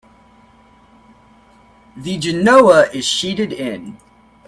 The genoa is sheeted in.